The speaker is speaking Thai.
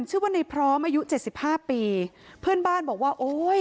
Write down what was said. ชื่อว่าในพร้อมอายุเจ็ดสิบห้าปีเพื่อนบ้านบอกว่าโอ้ย